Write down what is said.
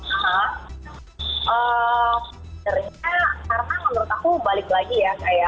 karena menurut aku balik lagi ya